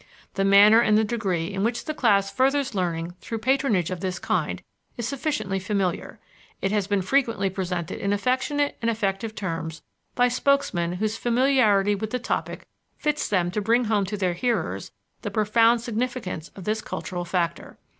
The manner and the degree in which the class furthers learning through patronage of this kind is sufficiently familiar. It has been frequently presented in affectionate and effective terms by spokesmen whose familiarity with the topic fits them to bring home to their hearers the profound significance of this cultural factor.